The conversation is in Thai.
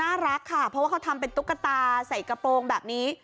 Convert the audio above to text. น่ารักค่ะเพราะว่าเขาทำเป็นตุ๊กตาใส่กระโปรงแบบนี้